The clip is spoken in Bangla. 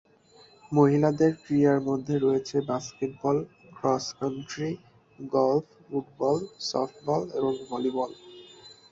মহিলাদের ক্রীড়ার মধ্যে রয়েছে basketball, cross country, golf, football, softball এবং ভলিবল।